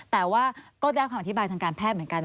แต่ว่าก็ได้คำอธิบายทางการแพทย์เหมือนกัน